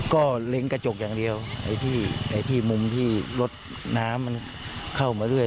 ก็เล็งกระจกอย่างเดียวไอ้ที่มุมที่รถน้ำมันเข้ามาเรื่อย